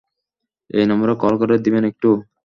এই নম্বরে কল করে দিবেন একটু?